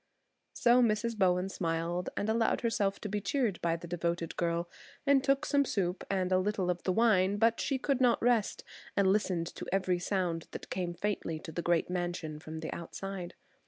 So Mrs. Bowen smiled and allowed herself to be cheered by the devoted girl, and took some soup and a little of the wine; but she could not rest, and listened to every sound that came faintly to the great mansion from the outside.